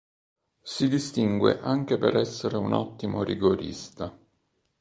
Si distingue anche per essere un ottimo rigorista.